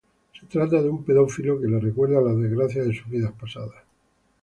Se trata de un pedófilo que les recuerda las desgracias de sus vidas pasadas.